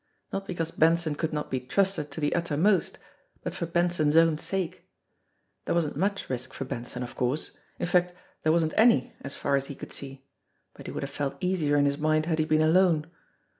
Not because Benson could not be trusted to the uttermost, but for Benson's own sake. There wasn't much risk for Benson, of course ; in fact there wasn't any, as far as he could see, but he would have felt easier in his mind had he been alone.